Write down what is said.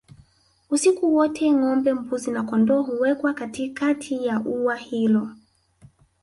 Usiku wote ngombe mbuzi na kondoo huwekwa katikati ya ua hilo